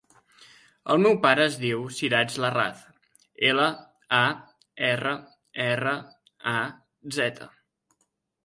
El meu pare es diu Siraj Larraz: ela, a, erra, erra, a, zeta.